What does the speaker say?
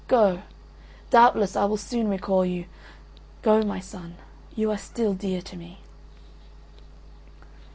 Go, doubtless I will soon recall you. Go, my son, you are still dear to me.